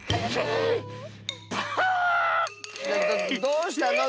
どうしたの？